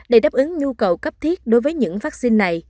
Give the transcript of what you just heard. để đáp ứng nhu cầu cấp thiết đối với những vaccine này